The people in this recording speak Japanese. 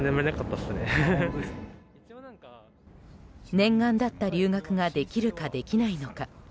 念願だった留学ができるか、できないのか。